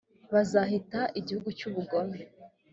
bazahita igihugu cy ubugome